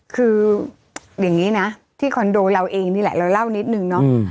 คืออย่างนี้นะที่คอนโดเราเองนี่แหละเราเล่านิดนึงเนาะ